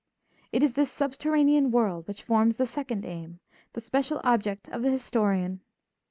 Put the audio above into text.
It is this subterranean world which forms the second aim, the special object of the historian.